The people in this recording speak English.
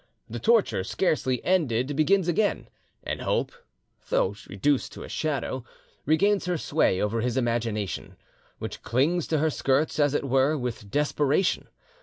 The torture scarcely ended begins again, and Hope, though reduced to a shadow, regains her sway over his imagination, which clings to her skirts, as it were, with desperation.